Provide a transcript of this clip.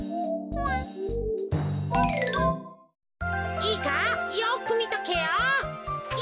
いいかよくみとけよ。